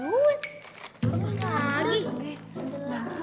loh ada lagi